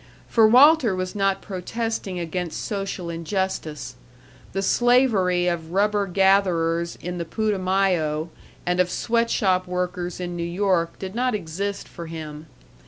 For Walter was not protesting against social injustice. The slavery of rubber gatherers in the Putumayo and of sweatshop workers in New York did not exist for him.